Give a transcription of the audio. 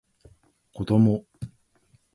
こども